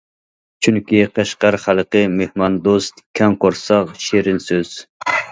چۈنكى قەشقەر خەلقى مېھماندوست، كەڭ قورساق، شېرىن سۆز.